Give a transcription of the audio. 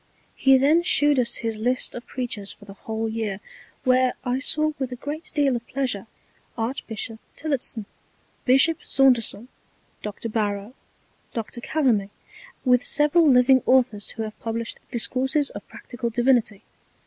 He then shewed us his List of Preachers for the whole Year, where I saw with a great deal of Pleasure Archbishop Tillotson, Bishop Saunderson, Doctor Barrow, Doctor Calamy, with several living Authors who have published Discourses of Practical Divinity.